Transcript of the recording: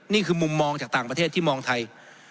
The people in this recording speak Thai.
นี่คือมุมมองจากต่างประเทศที่มองไทย